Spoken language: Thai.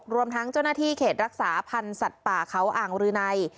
รวมทั้งเจ้าหน้าที่เขตรักษาพันธ์สัตว์ป่าเขาอ่างรืนัย